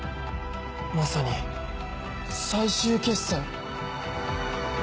まさに最終決戦。